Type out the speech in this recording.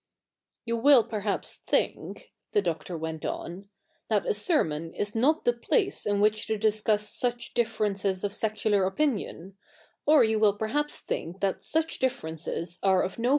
' You zvill perhaps think,^ the Doctor went on, ^ that a serfnon is not the place in which to discuss such differences of secular opi7iio7i ; or you will perhaps thi7ik that such diffe7'ences arz of no ve?